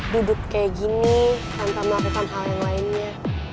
duduk kayak gini tanpa melakukan hal yang lainnya